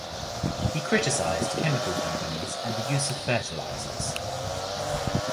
He criticized chemical companies and the use of fertilizers.